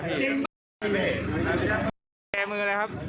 กุญแจมืออะไรครับ